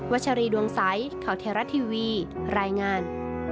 วัชรีดวงสัยเข่าเทราะทีวีรายงาน